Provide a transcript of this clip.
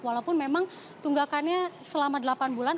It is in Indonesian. walaupun memang tunggakannya selama delapan bulan